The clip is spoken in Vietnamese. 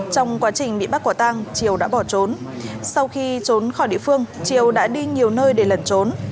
trong quá trình bị bắt quả tang triều đã bỏ trốn sau khi trốn khỏi địa phương triều đã đi nhiều nơi để lẩn trốn